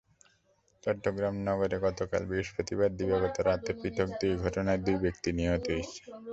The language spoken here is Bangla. চট্টগ্রাম নগরে গতকাল বৃহস্পতিবার দিবাগত রাতে পৃথক দুই ঘটনায় দুই ব্যক্তি খুন হয়েছেন।